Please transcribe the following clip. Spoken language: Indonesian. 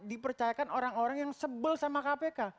dipercayakan orang orang yang sebel sama kpk